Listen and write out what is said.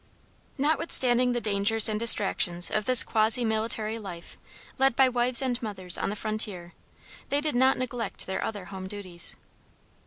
Notwithstanding the dangers and distractions of this quasi military life led by wives and mothers on the frontier they did not neglect their other home duties.